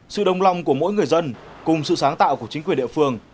sự đồng lòng của mỗi người dân cùng sự sáng tạo của chính quyền địa phương